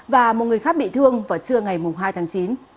và một người khác bị thương vào trưa ngày hai tháng chín